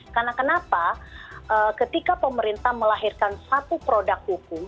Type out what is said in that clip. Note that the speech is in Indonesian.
karena kenapa ketika pemerintah melahirkan satu produk hukum